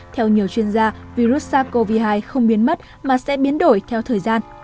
theo nhiều chuyên gia virus sars cov hai không biến mất mà sẽ biến đổi theo thời gian